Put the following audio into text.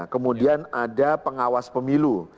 kemudian ada pengawas pemilu